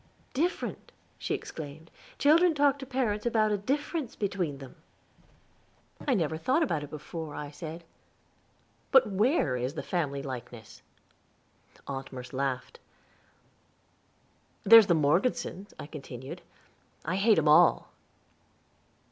"Different!" she exclaimed, "children talk to parents about a difference between them." "I never thought about it before." I said, "but where is the family likeness?" Aunt Merce laughed. "There's the Morgesons," I continued, "I hate 'em all."